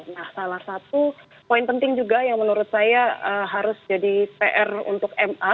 nah salah satu poin penting juga yang menurut saya harus jadi pr untuk ma